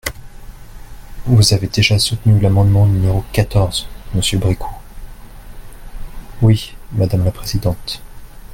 Vous avez déjà soutenu l’amendement numéro quatorze, monsieur Bricout… Oui, madame la présidente.